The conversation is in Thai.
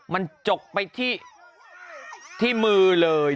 มันจกไปที่มือเลย